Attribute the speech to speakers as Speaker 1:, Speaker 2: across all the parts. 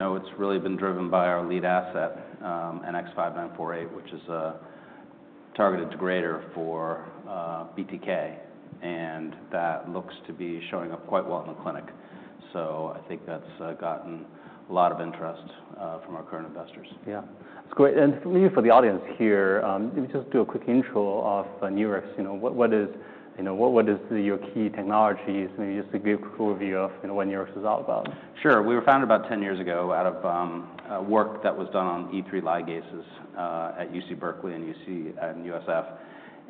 Speaker 1: No, it's really been driven by our lead asset, NX-5948, which is a targeted degrader for BTK, and that looks to be showing up quite well in the clinic. So I think that's gotten a lot of interest from our current investors. Yeah, that's great. And maybe for the audience here, let me just do a quick intro of Nurix. What is your key technologies? Maybe just a quick overview of what Nurix is all about. Sure. We were founded about 10 years ago out of work that was done on E3 ligases at UC Berkeley and UC and UCSF.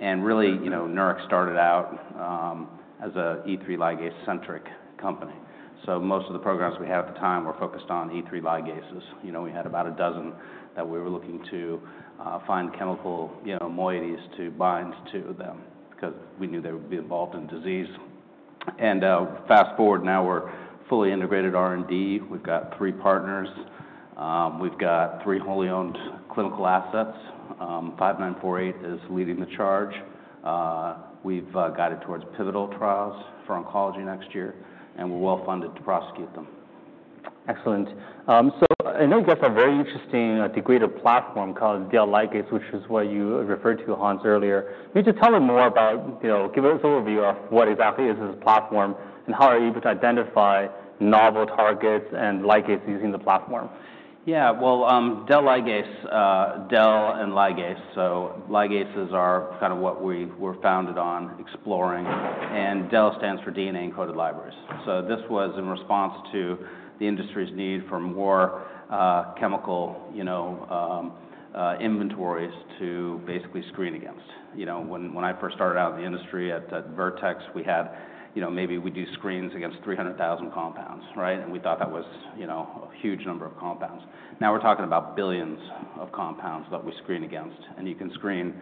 Speaker 1: And really, Nurix started out as an E3 ligase-centric company. So most of the programs we had at the time were focused on E3 ligases. We had about a dozen that we were looking to find chemical moieties to bind to them because we knew they would be involved in disease. And fast forward, now we're fully integrated R&D. We've got three partners. We've got three wholly owned clinical assets. 5948 is leading the charge. We've guided towards pivotal trials for oncology next year, and we're well funded to prosecute them. Excellent. So I know you guys have a very interesting degrader platform called DELigase, which is what you referred to, Hans, earlier. Maybe just tell me more about, give us an overview of what exactly is this platform and how are you able to identify novel targets and ligases using the platform? Yeah, well, DELigase, DEL and ligase. Ligases are kind of what we were founded on exploring. And DEL stands for DNA-encoded libraries. This was in response to the industry's need for more chemical inventories to basically screen against. When I first started out in the industry at Vertex, we had maybe we do screens against 300,000 compounds, right? And we thought that was a huge number of compounds. Now we're talking about billions of compounds that we screen against. And you can screen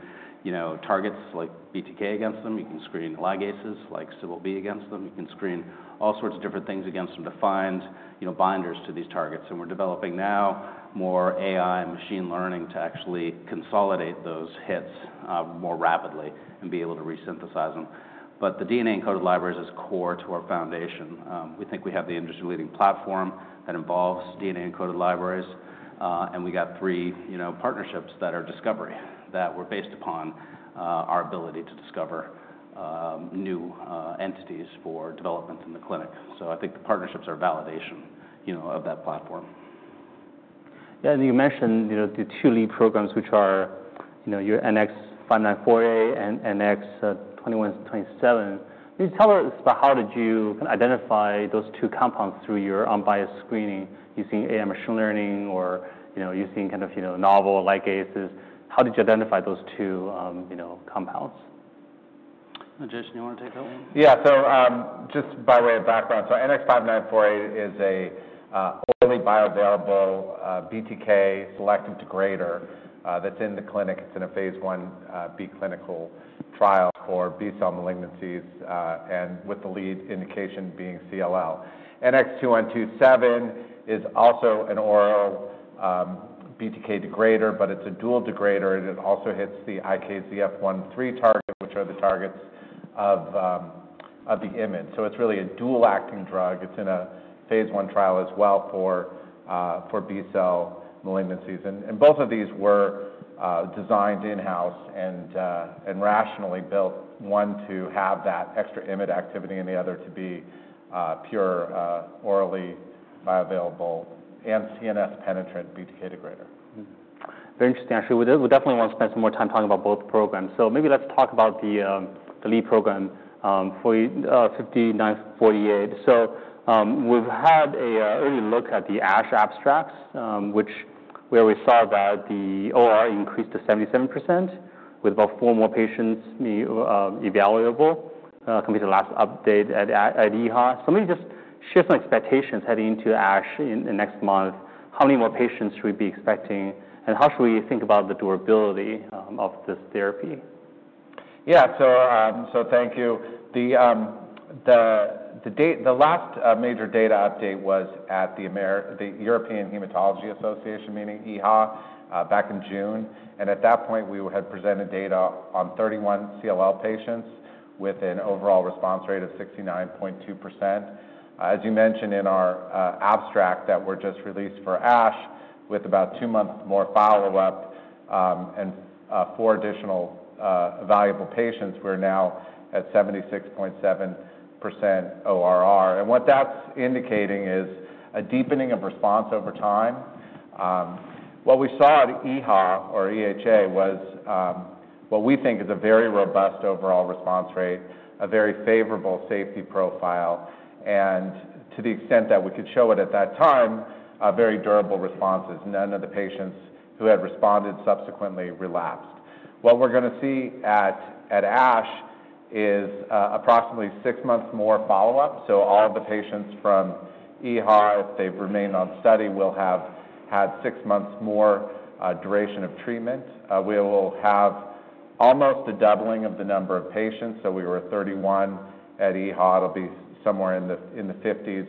Speaker 1: targets like BTK against them. You can screen ligases like Cbl-b against them. You can screen all sorts of different things against them to find binders to these targets. And we're developing now more AI and machine learning to actually consolidate those hits more rapidly and be able to resynthesize them. But the DNA-encoded libraries is core to our foundation. We think we have the industry-leading platform that involves DNA-encoded libraries, and we got three partnerships that are discovery that were based upon our ability to discover new entities for development in the clinic, so I think the partnerships are validation of that platform. Yeah, and you mentioned the two lead programs, which are your NX-5948 and NX-2127. Can you tell us about how did you identify those two compounds through your unbiased screening using AI machine learning or using kind of novel ligases? How did you identify those two compounds?
Speaker 2: Jason, do you want to take that one?
Speaker 1: Yeah, so just by way of background, so NX-5948 is an orally bioavailable BTK selective degrader that's in the clinic. It's in a phase I-B clinical trial for B-cell malignancies, and with the lead indication being CLL. NX-2127 is also an oral BTK degrader, but it's a dual degrader. It also hits the IKZF1/3 target, which are the targets of the immune. So it's really a dual-acting drug. It's in a phase I trial as well for B-cell malignancies. And both of these were designed in-house and rationally built, one to have that extra immune activity and the other to be pure orally bioavailable and CNS penetrant BTK degrader. Very interesting. Actually, we definitely want to spend some more time talking about both programs. So maybe let's talk about the lead program for 5948. So we've had an early look at the ASH abstracts, where we saw that the ORR increased to 77% with about four more patients evaluable compared to the last update at EHA. So maybe just share some expectations heading into ASH in the next month. How many more patients should we be expecting, and how should we think about the durability of this therapy? Yeah, so thank you. The last major data update was at the European Hematology Association, meaning EHA, back in June. And at that point, we had presented data on 31 CLL patients with an overall response rate of 69.2%. As you mentioned in our abstract that we're just released for ASH with about two months more follow-up and four additional evaluable patients, we're now at 76.7% ORR. And what that's indicating is a deepening of response over time. What we saw at EHA was what we think is a very robust overall response rate, a very favorable safety profile, and to the extent that we could show it at that time, very durable responses. None of the patients who had responded subsequently relapsed. What we're going to see at ASH is approximately six months more follow-up. So all of the patients from EHA, if they've remained on study, will have had six months more duration of treatment. We will have almost a doubling of the number of patients. So we were 31 at EHA. It'll be somewhere in the 50s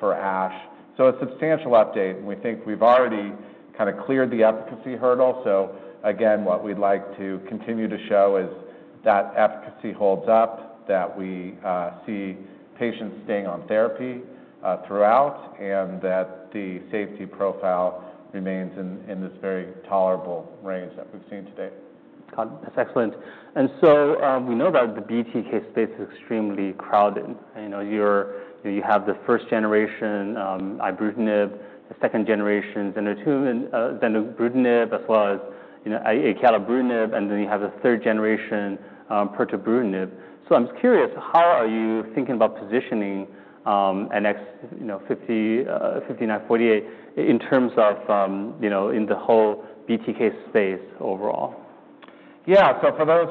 Speaker 1: for ASH. So a substantial update. We think we've already kind of cleared the efficacy hurdle. So again, what we'd like to continue to show is that efficacy holds up, that we see patients staying on therapy throughout, and that the safety profile remains in this very tolerable range that we've seen today. That's excellent. And so we know that the BTK space is extremely crowded. You have the first generation ibrutinib, the second generation zanubrutinib, as well as acalabrutinib, and then you have the third generation pirtobrutinib. So I'm just curious, how are you thinking about positioning NX-5948 in terms of in the whole BTK space overall? Yeah, so for those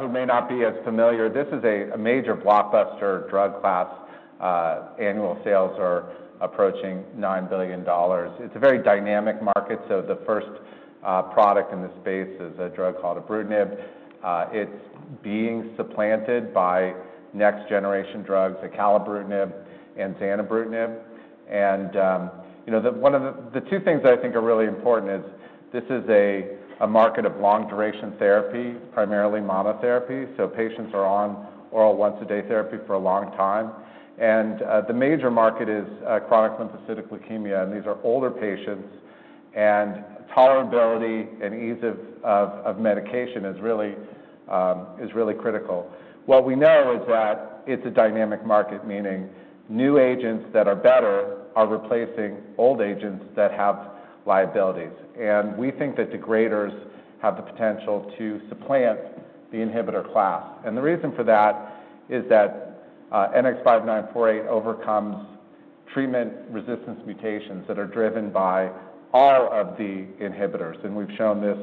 Speaker 1: who may not be as familiar, this is a major blockbuster drug class. Annual sales are approaching $9 billion. It's a very dynamic market. So the first product in the space is a drug called ibrutinib. It's being supplanted by next generation drugs, acalabrutinib and zanubrutinib. And one of the two things that I think are really important is this is a market of long duration therapy, primarily monotherapy. So patients are on oral once a day therapy for a long time. And the major market is chronic lymphocytic leukemia. And these are older patients. And tolerability and ease of medication is really critical. What we know is that it's a dynamic market, meaning new agents that are better are replacing old agents that have liabilities. And we think that degraders have the potential to supplant the inhibitor class. And the reason for that is that NX-5948 overcomes treatment resistance mutations that are driven by all of the inhibitors. And we've shown this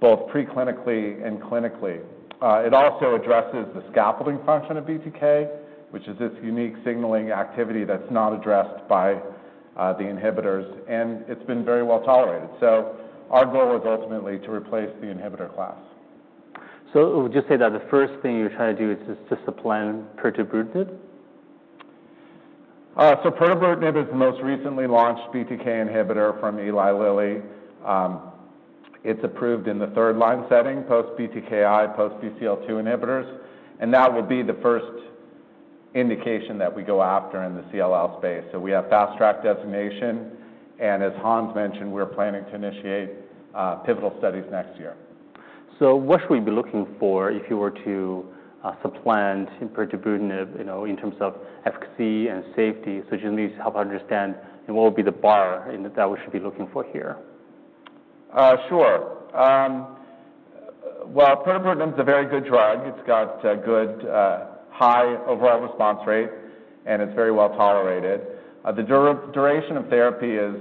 Speaker 1: both preclinically and clinically. It also addresses the scaffolding function of BTK, which is this unique signaling activity that's not addressed by the inhibitors. And it's been very well tolerated. So our goal is ultimately to replace the inhibitor class. Would you say that the first thing you're trying to do is just to supplant pirtobrutinib? Pirtobrutinib is the most recently launched BTK inhibitor from Eli Lilly. It's approved in the third line setting, post-BTKi, post-BCL2 inhibitors. And that will be the first indication that we go after in the CLL space. So we have fast track designation. And as Hans mentioned, we're planning to initiate pivotal studies next year. What should we be looking for if you were to supplant pirtobrutinib in terms of efficacy and safety? Just maybe help understand what would be the bar that we should be looking for here. Sure. Well, pirtobrutinib is a very good drug. It's got good high overall response rate, and it's very well tolerated. The duration of therapy is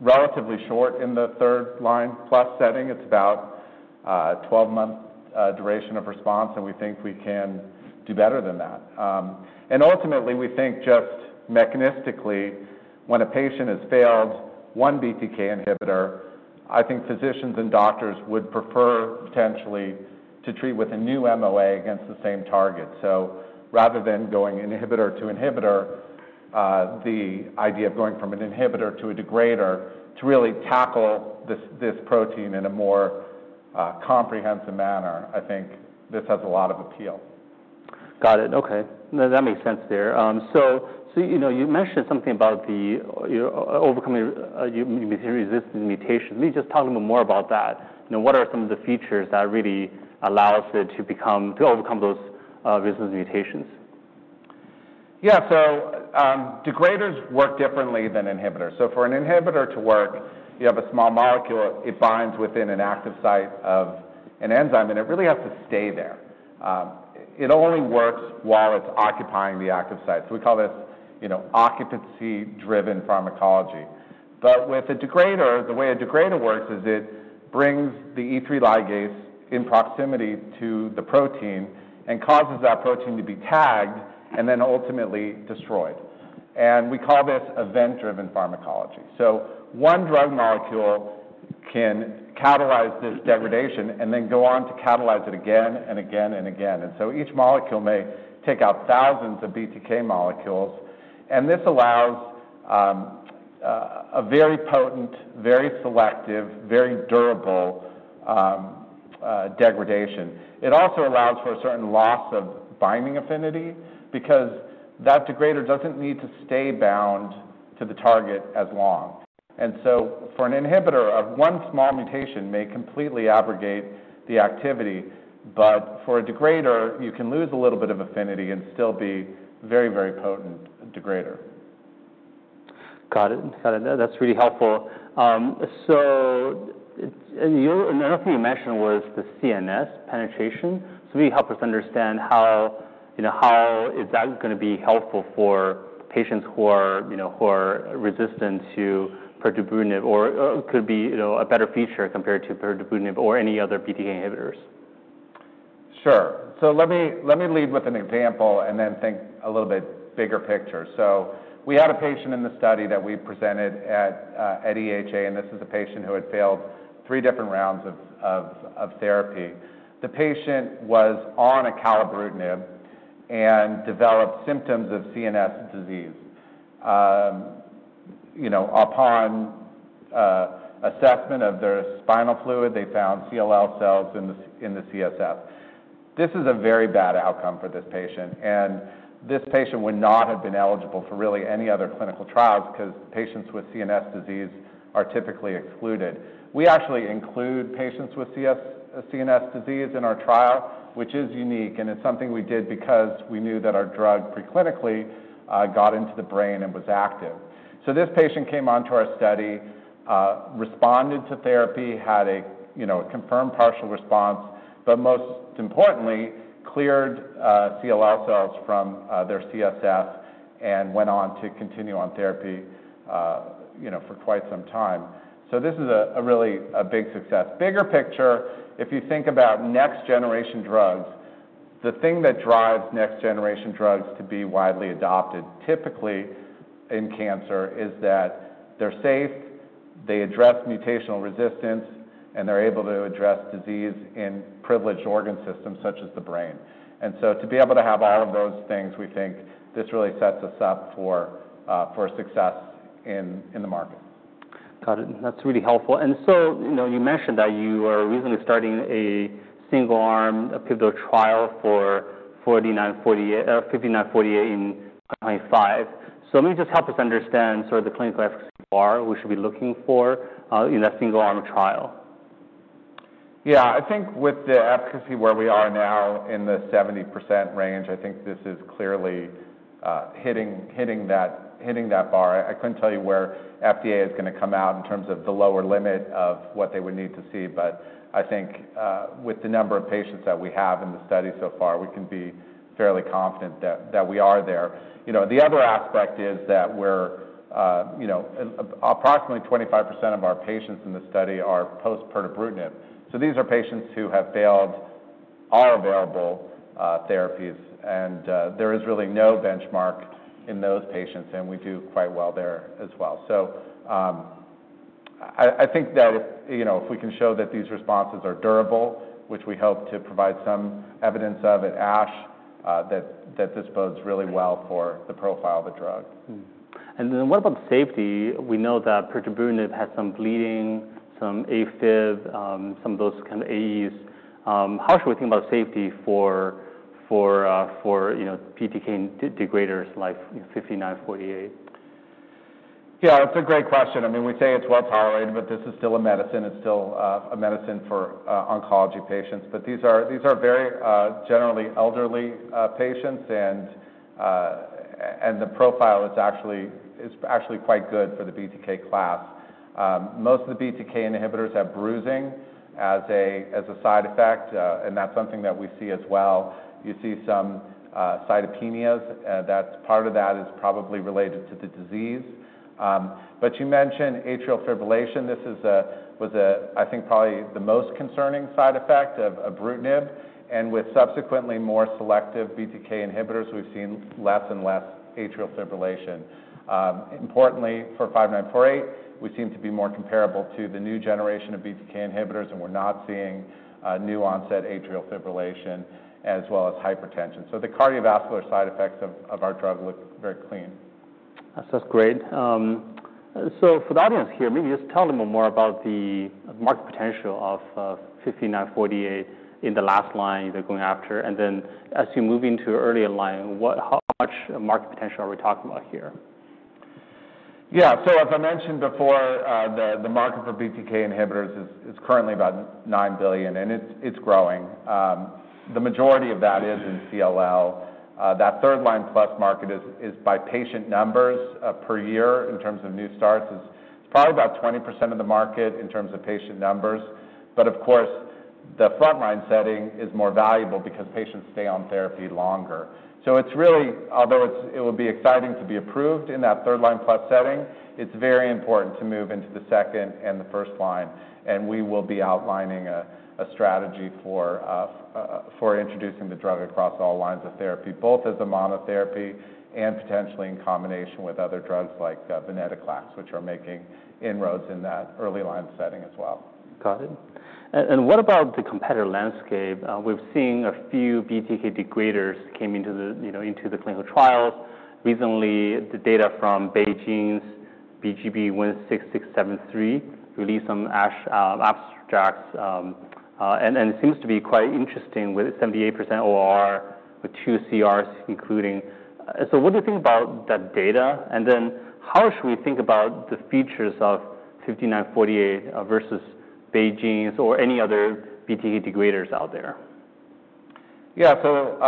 Speaker 1: relatively short in the third line plus setting. It's about a 12-month duration of response. And we think we can do better than that. And ultimately, we think just mechanistically, when a patient has failed one BTK inhibitor, I think physicians and doctors would prefer potentially to treat with a new MOA against the same target. So rather than going inhibitor to inhibitor, the idea of going from an inhibitor to a degrader to really tackle this protein in a more comprehensive manner, I think this has a lot of appeal. Got it. Okay. That makes sense there. So you mentioned something about overcoming immune resistance mutations. Maybe just talk a little bit more about that. What are some of the features that really allow it to overcome those resistance mutations? Yeah, so degraders work differently than inhibitors. So for an inhibitor to work, you have a small molecule. It binds within an active site of an enzyme, and it really has to stay there. It only works while it's occupying the active site. So we call this occupancy-driven pharmacology. But with a degrader, the way a degrader works is it brings the E3 ligase in proximity to the protein and causes that protein to be tagged and then ultimately destroyed. And we call this event-driven pharmacology. So one drug molecule can catalyze this degradation and then go on to catalyze it again and again and again. And so each molecule may take out thousands of BTK molecules. And this allows a very potent, very selective, very durable degradation. It also allows for a certain loss of binding affinity because that degrader doesn't need to stay bound to the target as long, and so for an inhibitor, one small mutation may completely abrogate the activity, but for a degrader, you can lose a little bit of affinity and still be a very, very potent degrader. Got it. Got it. That's really helpful. So another thing you mentioned was the CNS penetration. So maybe help us understand how is that going to be helpful for patients who are resistant to pirtobrutinib or could be a better feature compared to pirtobrutinib or any other BTK inhibitors? Sure, so let me lead with an example and then think a little bit bigger picture. So we had a patient in the study that we presented at EHA, and this is a patient who had failed three different rounds of therapy. The patient was on acalabrutinib and developed symptoms of CNS disease. Upon assessment of their spinal fluid, they found CLL cells in the CSF. This is a very bad outcome for this patient, and this patient would not have been eligible for really any other clinical trials because patients with CNS disease are typically excluded. We actually include patients with CNS disease in our trial, which is unique, and it's something we did because we knew that our drug preclinically got into the brain and was active. So this patient came on to our study, responded to therapy, had a confirmed partial response, but most importantly, cleared CLL cells from their CSF and went on to continue on therapy for quite some time. So this is really a big success. Bigger picture, if you think about next generation drugs, the thing that drives next generation drugs to be widely adopted typically in cancer is that they're safe, they address mutational resistance, and they're able to address disease in privileged organ systems such as the brain. And so to be able to have all of those things, we think this really sets us up for success in the market. Got it. That's really helpful. And so you mentioned that you are recently starting a single-arm pivotal trial for NX-5948 in 2025. So maybe just help us understand sort of the clinical efficacy bar we should be looking for in that single-arm trial? Yeah, I think with the efficacy where we are now in the 70% range, I think this is clearly hitting that bar. I couldn't tell you where FDA is going to come out in terms of the lower limit of what they would need to see. But I think with the number of patients that we have in the study so far, we can be fairly confident that we are there. The other aspect is that we're approximately 25% of our patients in the study are post-pirtobrutinib. So these are patients who have failed all available therapies. And there is really no benchmark in those patients. And we do quite well there as well. So I think that if we can show that these responses are durable, which we hope to provide some evidence of at ASH, that this bodes really well for the profile of the drug. What about the safety? We know that pirtobrutinib has some bleeding, some AFib, some of those kind of AEs. How should we think about safety for BTK degraders like 5948? Yeah, that's a great question. I mean, we say it's well tolerated, but this is still a medicine. It's still a medicine for oncology patients. But these are very generally elderly patients. And the profile is actually quite good for the BTK class. Most of the BTK inhibitors have bruising as a side effect. And that's something that we see as well. You see some cytopenias. That's part of that is probably related to the disease. But you mentioned atrial fibrillation. This was, I think, probably the most concerning side effect of ibrutinib. And with subsequently more selective BTK inhibitors, we've seen less and less atrial fibrillation. Importantly, for NX-5948, we seem to be more comparable to the new generation of BTK inhibitors. And we're not seeing new onset atrial fibrillation as well as hypertension. So the cardiovascular side effects of our drug look very clean. That's great, so for the audience here, maybe just tell them more about the market potential of 5948 in the last line they're going after, and then as you move into earlier line, how much market potential are we talking about here? Yeah, so as I mentioned before, the market for BTK inhibitors is currently about $9 billion, and it's growing. The majority of that is in CLL. That third line plus market is by patient numbers per year in terms of new starts. It's probably about 20% of the market in terms of patient numbers. But of course, the front line setting is more valuable because patients stay on therapy longer. So it's really, although it would be exciting to be approved in that third line plus setting, it's very important to move into the second and the first line. And we will be outlining a strategy for introducing the drug across all lines of therapy, both as a monotherapy and potentially in combination with other drugs like venetoclax, which are making inroads in that early line setting as well. Got it. And what about the competitor landscape? We've seen a few BTK degraders came into the clinical trials. Recently, the data from BeiGene's BGB-16673 released some abstracts. And it seems to be quite interesting with 78% ORR with two CRs including. So what do you think about that data? And then how should we think about the features of 5948 versus BeiGene's or any other BTK degraders out there? Yeah, so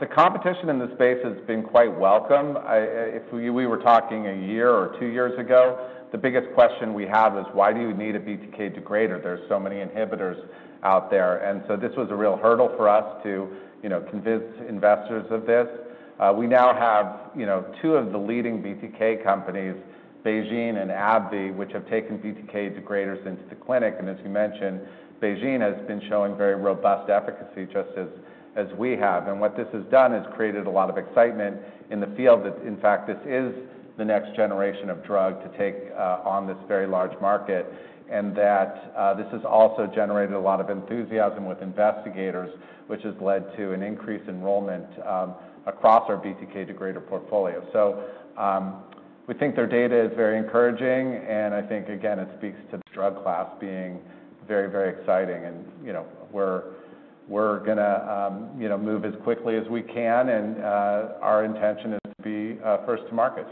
Speaker 1: the competition in the space has been quite welcome. If we were talking a year or two years ago, the biggest question we have is, why do you need a BTK degrader? There's so many inhibitors out there. And so this was a real hurdle for us to convince investors of this. We now have two of the leading BTK companies, BeiGene and AbbVie, which have taken BTK degraders into the clinic. And as you mentioned, BeiGene has been showing very robust efficacy just as we have. And what this has done is created a lot of excitement in the field that, in fact, this is the next generation of drug to take on this very large market. And that this has also generated a lot of enthusiasm with investigators, which has led to an increase in enrollment across our BTK degrader portfolio. So we think their data is very encouraging. And I think, again, it speaks to the drug class being very, very exciting. And we're going to move as quickly as we can. And our intention is to be first to market.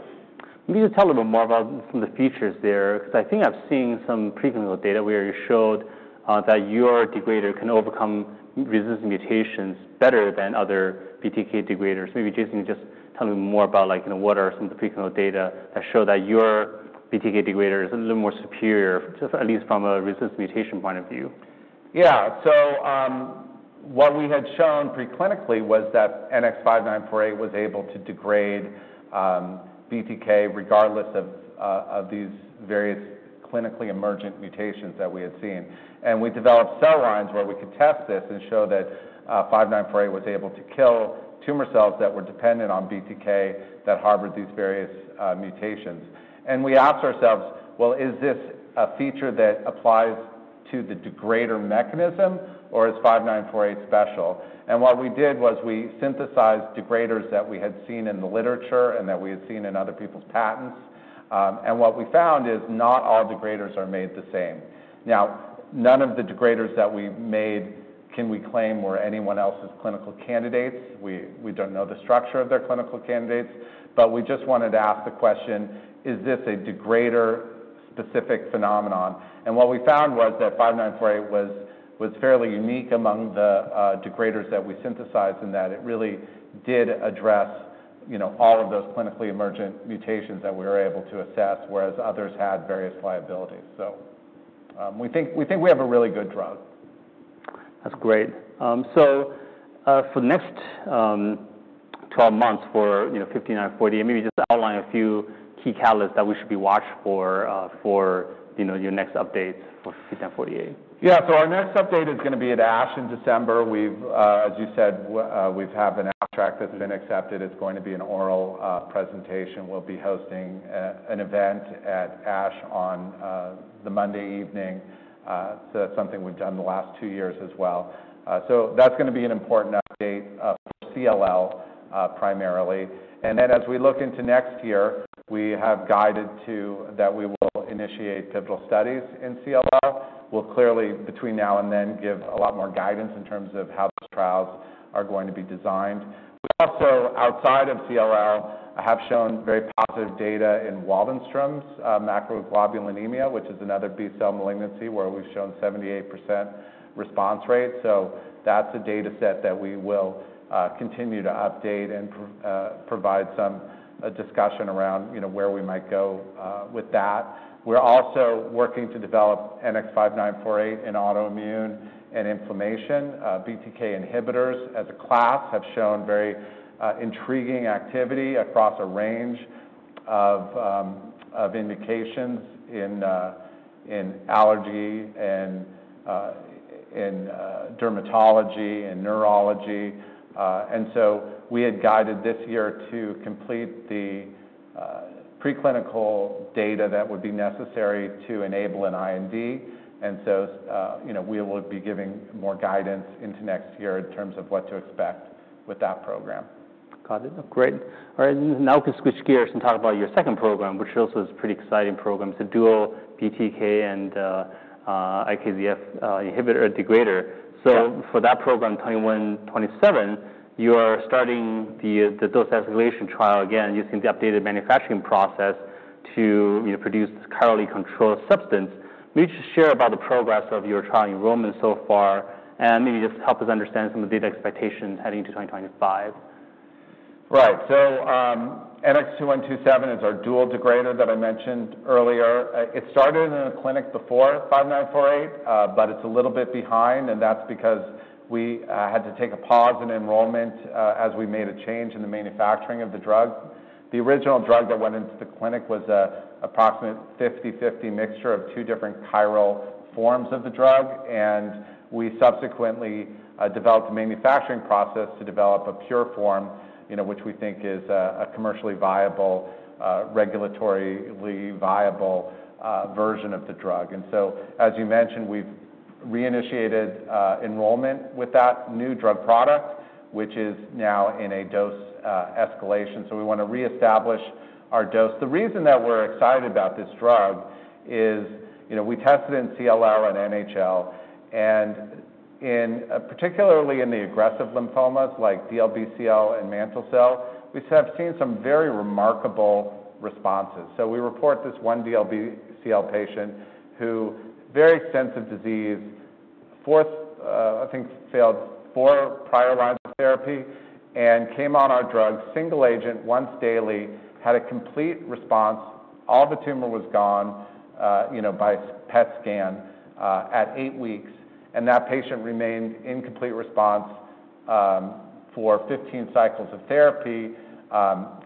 Speaker 1: Maybe just tell a little bit more about some of the features there. Because I think I've seen some preclinical data where you showed that your degrader can overcome resistant mutations better than other BTK degraders. Maybe just tell me more about what are some of the preclinical data that show that your BTK degrader is a little more superior, at least from a resistant mutation point of view. Yeah, so what we had shown preclinically was that NX-5948 was able to degrade BTK regardless of these various clinically emergent mutations that we had seen. And we developed cell lines where we could test this and show that 5948 was able to kill tumor cells that were dependent on BTK that harbored these various mutations. And we asked ourselves, well, is this a feature that applies to the degrader mechanism, or is 5948 special? And what we did was we synthesized degraders that we had seen in the literature and that we had seen in other people's patents. And what we found is not all degraders are made the same. Now, none of the degraders that we made can we claim were anyone else's clinical candidates. We don't know the structure of their clinical candidates. But we just wanted to ask the question, is this a degrader-specific phenomenon? And what we found was that 5948 was fairly unique among the degraders that we synthesized in that it really did address all of those clinically emergent mutations that we were able to assess, whereas others had various liabilities. So we think we have a really good drug. That's great. So for the next 12 months for 5948, maybe just outline a few key catalysts that we should be watching for your next updates for 5948. Yeah, so our next update is going to be at ASH in December. As you said, we have an abstract that's been accepted. It's going to be an oral presentation. We'll be hosting an event at ASH on the Monday evening. So that's something we've done the last two years as well. So that's going to be an important update for CLL primarily. And then as we look into next year, we have guided to that we will initiate pivotal studies in CLL. We'll clearly, between now and then, give a lot more guidance in terms of how those trials are going to be designed. We also, outside of CLL, have shown very positive data in Waldenstrom's macroglobulinemia, which is another B-cell malignancy where we've shown 78% response rate. That’s a data set that we will continue to update and provide some discussion around where we might go with that. We’re also working to develop NX-5948 in autoimmune and inflammation. BTK inhibitors as a class have shown very intriguing activity across a range of indications in allergy and in dermatology and neurology. We had guided this year to complete the preclinical data that would be necessary to enable an IND. We will be giving more guidance into next year in terms of what to expect with that program. Got it. Great. All right. Now we can switch gears and talk about your second program, which also is a pretty exciting program. It's a dual BTK and IKZF inhibitor degrader. So for that program 2127, you are starting the dose escalation trial again using the updated manufacturing process to produce this currently controlled substance. Maybe just share about the progress of your trial enrollment so far and maybe just help us understand some of the data expectations heading into 2025. Right. So NX-2127 is our dual degrader that I mentioned earlier. It started in the clinic before NX-5948, but it's a little bit behind. And that's because we had to take a pause in enrollment as we made a change in the manufacturing of the drug. The original drug that went into the clinic was an approximate 50-50 mixture of two different chiral forms of the drug. And we subsequently developed a manufacturing process to develop a pure form, which we think is a commercially viable, regulatorily viable version of the drug. And so, as you mentioned, we've reinitiated enrollment with that new drug product, which is now in a dose escalation. So we want to reestablish our dose. The reason that we're excited about this drug is we tested in CLL and NHL. And particularly in the aggressive lymphomas like DLBCL and mantle cell, we have seen some very remarkable responses. So we report this one DLBCL patient who had very extensive disease, I think failed four prior lines of therapy, and came on our drug single agent once daily, had a complete response. All the tumor was gone by PET scan at eight weeks. And that patient remained in complete response for 15 cycles of therapy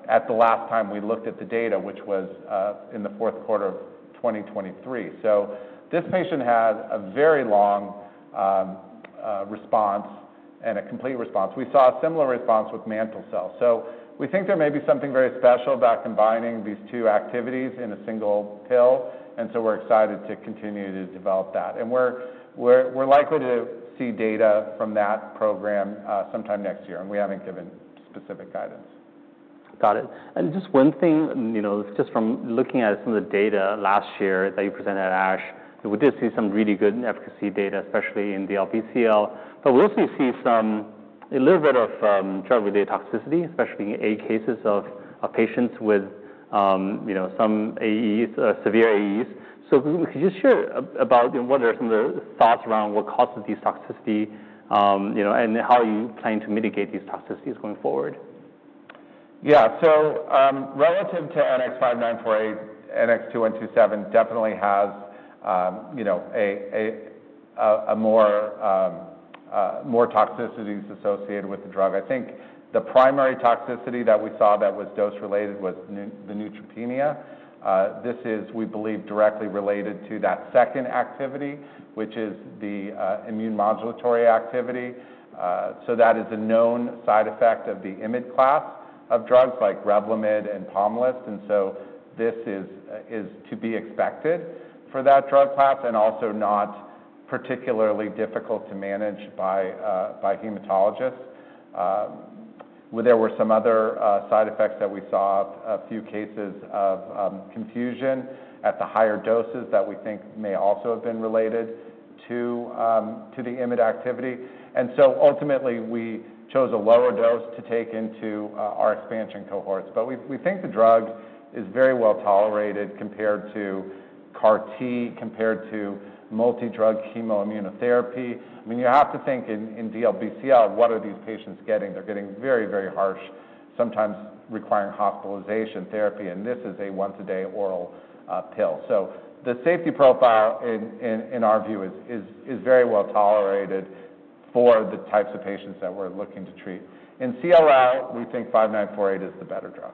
Speaker 1: at the last time we looked at the data, which was in the fourth quarter of 2023. So this patient had a very long response and a complete response. We saw a similar response with mantle cell. So we think there may be something very special about combining these two activities in a single pill. And so we're excited to continue to develop that. And we're likely to see data from that program sometime next year. We haven't given specific guidance. Got it. Just one thing, just from looking at some of the data last year that you presented at ASH, we did see some really good efficacy data, especially in DLBCL. We also see a little bit of drug-related toxicity, especially in cases of patients with some AEs, severe AEs. Could you just share about what are some of the thoughts around what causes these toxicities and how you plan to mitigate these toxicities going forward? Yeah, so relative to NX-5948, NX-2127 definitely has more toxicities associated with the drug. I think the primary toxicity that we saw that was dose-related was the neutropenia. This is, we believe, directly related to that second activity, which is the immune modulatory activity. So that is a known side effect of the IMiD class of drugs like Revlimid and Pomalyst. And so this is to be expected for that drug class and also not particularly difficult to manage by hematologists. There were some other side effects that we saw, a few cases of confusion at the higher doses that we think may also have been related to the IMiD activity. And so ultimately, we chose a lower dose to take into our expansion cohorts. But we think the drug is very well tolerated compared to CAR-T, compared to multi-drug chemoimmunotherapy. I mean, you have to think in DLBCL, what are these patients getting? They're getting very, very harsh, sometimes requiring hospitalization therapy, and this is a once-a-day oral pill, so the safety profile, in our view, is very well tolerated for the types of patients that we're looking to treat. In CLL, we think 5948 is the better drug.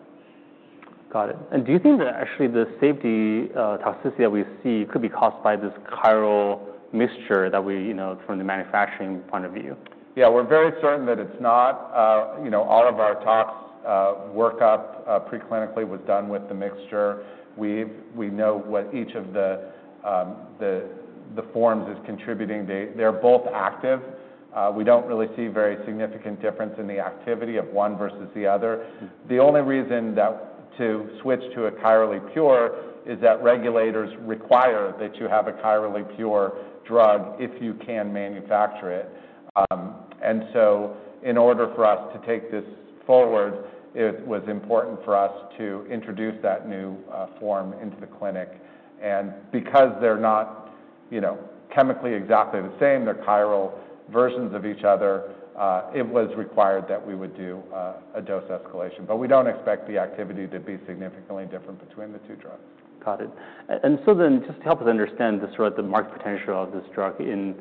Speaker 1: Got it. And do you think that actually the safety toxicity that we see could be caused by this chiral mixture from the manufacturing point of view? Yeah, we're very certain that it's not. All of our tox workup preclinically was done with the mixture. We know what each of the forms is contributing. They're both active. We don't really see very significant difference in the activity of one versus the other. The only reason to switch to a chirally pure is that regulators require that you have a chirally pure drug if you can manufacture it. And so in order for us to take this forward, it was important for us to introduce that new form into the clinic. And because they're not chemically exactly the same, they're chiral versions of each other, it was required that we would do a dose escalation. But we don't expect the activity to be significantly different between the two drugs. Got it. And so then just to help us understand the market potential of this drug in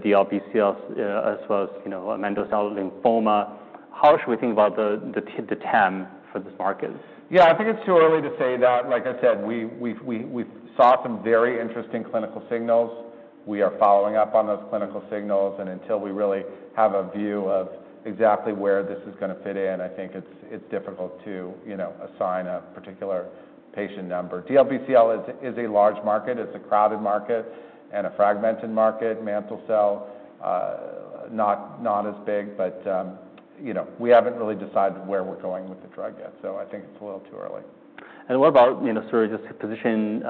Speaker 1: DLBCL as well as Mantle cell lymphoma, how should we think about the TAM for this market? Yeah, I think it's too early to say that. Like I said, we saw some very interesting clinical signals. We are following up on those clinical signals. And until we really have a view of exactly where this is going to fit in, I think it's difficult to assign a particular patient number. DLBCL is a large market. It's a crowded market and a fragmented market. Mantle cell, not as big. But we haven't really decided where we're going with the drug yet. So I think it's a little too early. What about sort of just position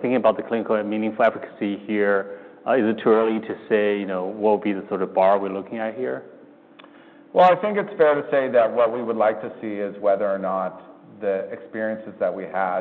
Speaker 1: thinking about the clinical and meaningful efficacy here? Is it too early to say what will be the sort of bar we're looking at here? I think it's fair to say that what we would like to see is whether or not the experiences that we had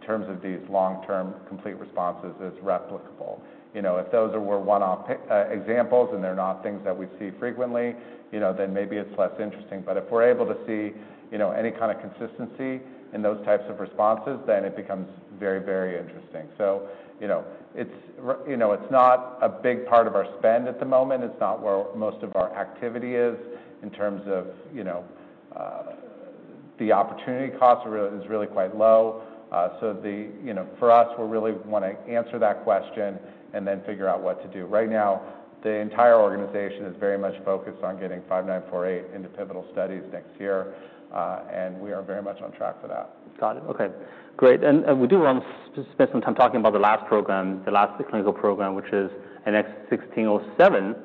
Speaker 1: in terms of these long-term complete responses is replicable. If those were one-off examples and they're not things that we see frequently, then maybe it's less interesting. if we're able to see any kind of consistency in those types of responses, then it becomes very, very interesting. it's not a big part of our spend at the moment. It's not where most of our activity is in terms of the opportunity cost is really quite low. for us, we really want to answer that question and then figure out what to do. Right now, the entire organization is very much focused on getting 5948 into pivotal studies next year. We are very much on track for that. Got it. Okay. Great. And we do want to spend some time talking about the last program, the last clinical program, which is NX-1607,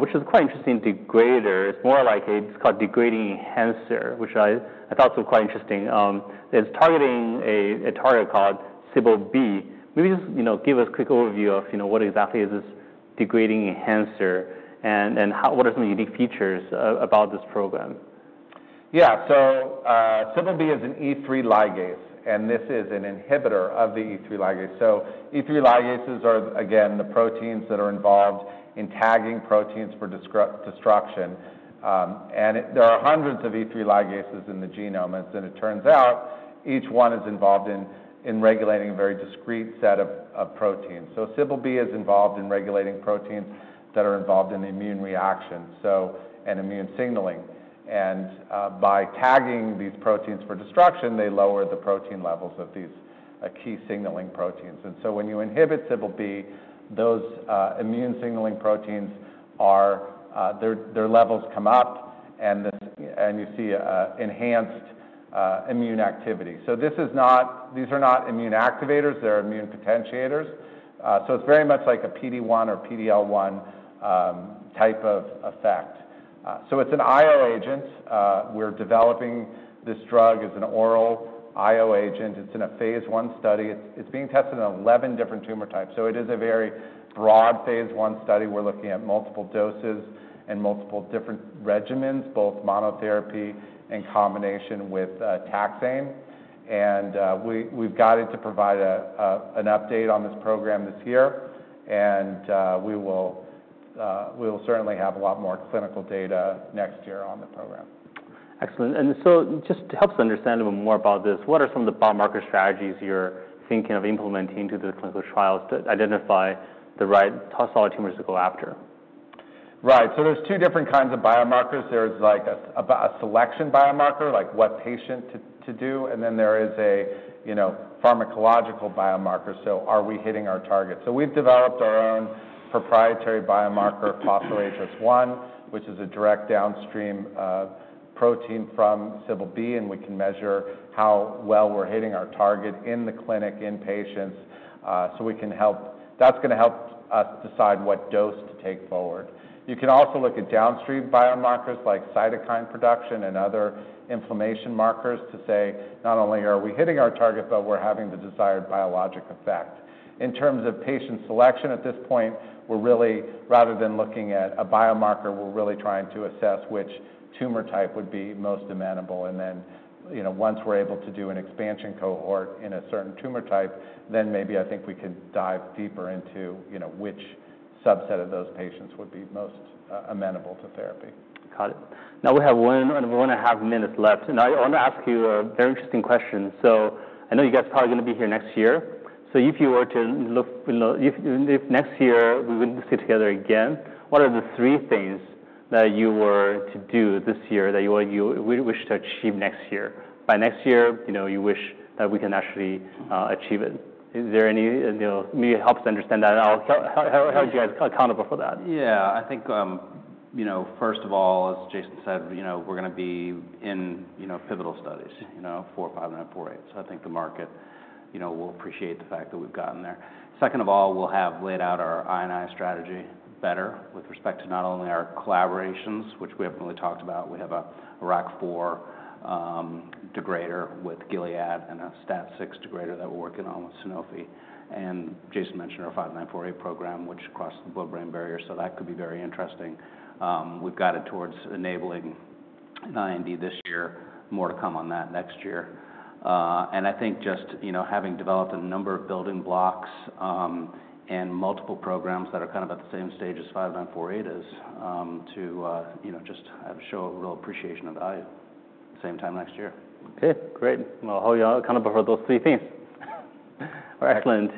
Speaker 1: which is a quite interesting degrader. It's more like it's called degrading enhancer, which I thought was quite interesting. It's targeting a target called Cbl-b. Maybe just give us a quick overview of what exactly is this degrading enhancer and what are some unique features about this program. Yeah, so Cbl-b is an E3 ligase. And this is an inhibitor of the E3 ligase. So E3 ligases are, again, the proteins that are involved in tagging proteins for destruction. And there are hundreds of E3 ligases in the genome. And as it turns out, each one is involved in regulating a very discrete set of proteins. So Cbl-b is involved in regulating proteins that are involved in immune reactions and immune signaling. And by tagging these proteins for destruction, they lower the protein levels of these key signaling proteins. And so when you inhibit Cbl-b, those immune signaling proteins, their levels come up and you see enhanced immune activity. So these are not immune activators. They're immune potentiators. So it's very much like a PD-1 or PD-L1 type of effect. So it's an IO agent. We're developing this drug as an oral IO agent. It's in a phase 1 study. It's being tested in 11 different tumor types. It is a very broad phase 1 study. We're looking at multiple doses and multiple different regimens, both monotherapy in combination with taxane. We've got it to provide an update on this program this year. We will certainly have a lot more clinical data next year on the program. Excellent. And so just to help us understand a bit more about this, what are some of the biomarker strategies you're thinking of implementing into the clinical trials to identify the right solid tumors to go after? so there are two different kinds of biomarkers. There is like a selection biomarker, like what patient to do. And then there is a pharmacological biomarker, so are we hitting our target? So we have developed our own proprietary biomarker, Phospho-HS1, which is a direct downstream protein from Cbl-b. And we can measure how well we are hitting our target in the clinic, in patients. So that is going to help us decide what dose to take forward. You can also look at downstream biomarkers like cytokine production and other inflammation markers to say, not only are we hitting our target, but we are having the desired biologic effect. In terms of patient selection at this point, rather than looking at a biomarker, we are really trying to assess which tumor type would be most amenable. And then once we're able to do an expansion cohort in a certain tumor type, then maybe I think we can dive deeper into which subset of those patients would be most amenable to therapy. Got it. Now we have one and one and a half minutes left. And I want to ask you a very interesting question. So I know you guys are probably going to be here next year. So if you were to look, if next year we wouldn't sit together again, what are the three things that you were to do this year that you wish to achieve next year? By next year, you wish that we can actually achieve it. Is there any maybe helps to understand that? How would you guys accountable for that?
Speaker 2: Yeah. I think first of all, as Jason said, we're going to be in pivotal studies for NX-5948. So I think the market will appreciate the fact that we've gotten there. Second of all, we'll have laid out our IND strategy better with respect to not only our collaborations, which we haven't really talked about. We have an IRAK4 degrader with Gilead and a STAT6 degrader that we're working on with Sanofi. And Jason mentioned our NX-5948 program, which crosses the blood-brain barrier. So that could be very interesting. We've got it towards enabling IND this year, more to come on that next year. And I think just having developed a number of building blocks and multiple programs that are kind of at the same stage as NX-5948 is to just show a real appreciation of value at the same time next year. Okay. Great. We'll hold you accountable for those three things. All right. Excellent.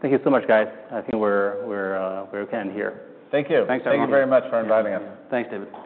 Speaker 2: Thank you so much, guys. I think we're okay in here. Thank you. Thank you very much for inviting us. Thanks, David.